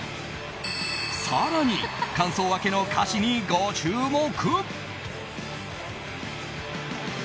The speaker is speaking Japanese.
更に、間奏明けの歌詞にご注目。